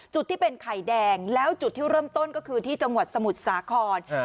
จุดที่เป็นไข่แดงแล้วจุดที่เริ่มต้นก็คือที่จังหวัดสมุทรสาคร